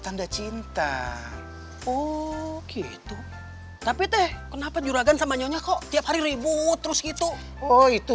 tanda cinta oh gitu tapi teh kenapa juragan sama nyonya kok tiap hari ribut terus gitu oh itu